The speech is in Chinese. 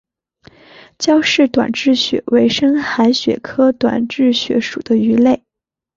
焦氏短稚鳕为深海鳕科短稚鳕属的鱼类。